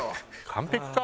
完璧か？